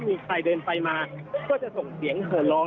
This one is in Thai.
มีใครเดินไปมาก็จะส่งเสียงเหินร้อง